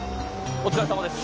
お疲れさまです。